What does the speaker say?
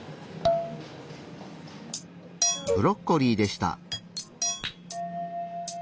ブロッコリーでした。